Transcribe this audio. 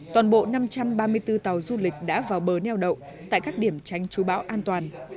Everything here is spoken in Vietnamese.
toàn bộ năm trăm ba mươi bốn tàu du lịch đã vào bờ neo đậu tại các điểm tránh chú bão an toàn